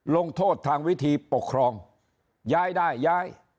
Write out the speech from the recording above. ลงโทษทางวิธีปกครองย้ายได้ย้าย